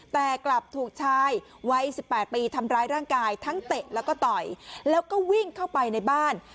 แต่กลับถูกชายวัย๑๘ปีทำร้ายร่างกายทั้งเตะแล้วก็ต่อยแล้วก็วิ่งเข้าไปในบ้าน